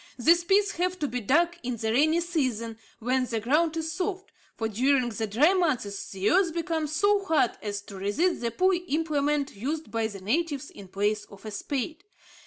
These pits have to be dug in the rainy season, when the ground is soft; for during the dry months the earth becomes so hard as to resist the poor implement used by the natives in place of a spade.